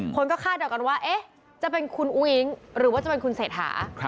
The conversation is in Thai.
คนก็คาดเดากันว่าจะเป็นคุณอุ้งอิ๊งหรือว่าจะเป็นคุณเศรษฐา